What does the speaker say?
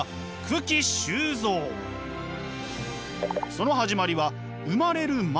その始まりは生まれる前。